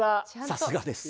さすがです。